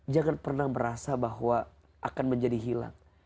jangan pernah merasa bahwa akan menjadi hilang